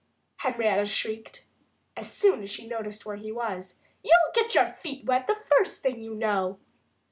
Henrietta shrieked, as soon as she noticed where he was. "You'll get your feet wet the first thing you know."